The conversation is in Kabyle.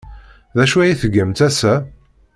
D acu ay tgamt ass-a?